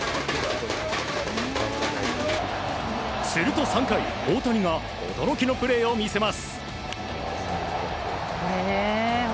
すると３回大谷が驚きのプレーを見せます。